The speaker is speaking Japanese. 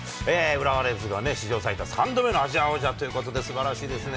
浦和レッズがね、史上最多３度目のアジア王者ということで、すばらしいですね。